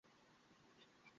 এখন মির্জার উকিলও আছে!